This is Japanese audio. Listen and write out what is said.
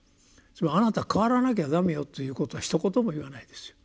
つまり「あなた変わらなきゃ駄目よ」ということはひと言も言わないですよ。